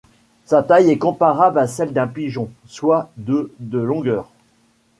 Sa taille est comparable à celle d'un pigeon, soit de de longueur.